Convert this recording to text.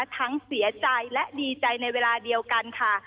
ทั้งเสียใจและดีใจในเวลาเดียวกันค่ะ